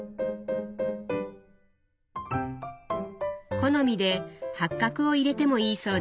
好みで八角を入れてもいいそうです。